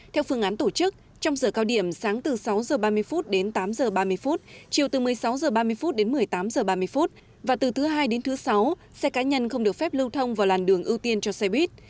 theo phương án tổ chức trong giờ cao điểm sáng từ sáu h ba mươi đến tám h ba mươi chiều từ một mươi sáu h ba mươi đến một mươi tám h ba mươi và từ thứ hai đến thứ sáu xe cá nhân không được phép lưu thông vào làn đường ưu tiên cho xe buýt